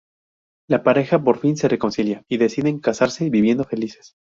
La pareja por fin se reconcilia y deciden casarse viviendo felices.